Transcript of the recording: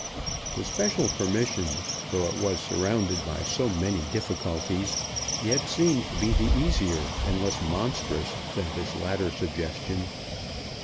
The special permission, though it was surrounded by so many difficulties, yet seemed to be easier and less monstrous than this latter suggestion.